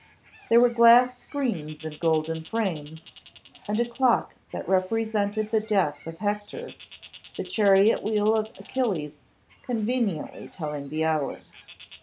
There were glass screens in golden frames, and a clock that represented the death of Hector, the chariot wheel of Achilles conveniently telling the hour.